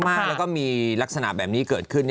แล้วก็มีลักษณะแบบนี้เกิดขึ้น